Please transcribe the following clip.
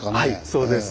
そうです。